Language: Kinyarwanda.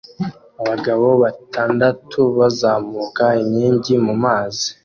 Abagabo batandatu bazamuka inkingi mumazi